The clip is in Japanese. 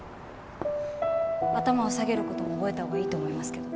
頭を下げる事も覚えたほうがいいと思いますけど。